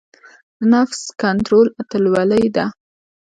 د نفس کنټرول اتلولۍ ده.